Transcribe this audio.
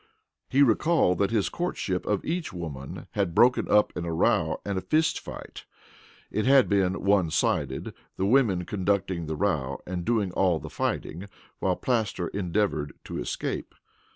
He recalled that his courtship of each woman had broken up in a row and a fist fight. It had been one sided, the women conducting the row and doing all the fighting while Plaster endeavored to escape.